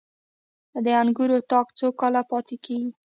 د انګورو تاک څو کاله پاتې کیږي؟